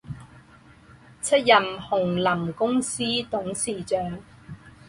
出任鸿霖公司董事长。